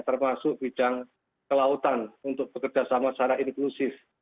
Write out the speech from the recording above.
termasuk bidang kelautan untuk bekerja sama secara inklusif